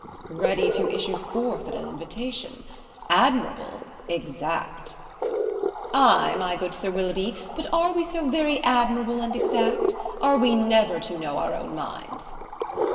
"Ready to issue forth at an invitation? Admirable! exact!" "Ay, my good Sir Willoughby, but are we so very admirable and exact? Are we never to know our own minds?"